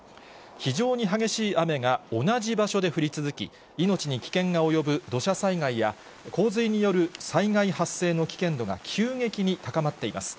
非常に激しい雨が同じ場所で降り続き、命に危険が及ぶ土砂災害や、洪水による災害発生の危険度が急激に高まっています。